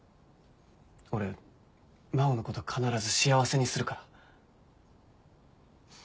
俺真央のこと必ず幸せにするから。